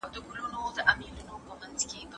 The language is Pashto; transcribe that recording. زده کړه د یو ښه ژوند تضمین دی.